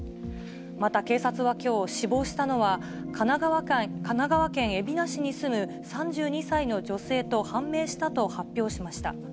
また、警察はきょう、死亡したのは神奈川県海老名市に住む３２歳の女性と判明したと発表しました。